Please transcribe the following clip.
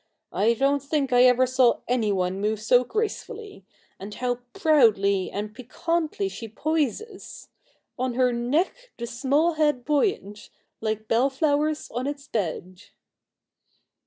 I don't think I ever saw anyone move so gracefully ; and how proudly and piquantly she poises On her neck the small head buoyant, like bell flower on its bed